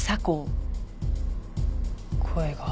声が。